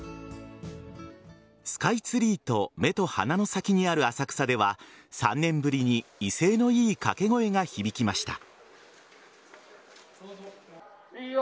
スカイツリーと目と鼻の先にある浅草では３年ぶりに威勢のいい掛け声が響きました。